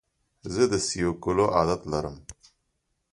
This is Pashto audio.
زه د سیو کولو عادت لرم.